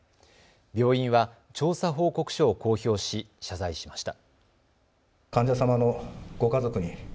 病院は調査報告書を公表し謝罪しました。